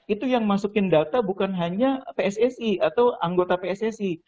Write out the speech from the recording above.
itu yang masukin data bukan hanya pssi atau anggota pssi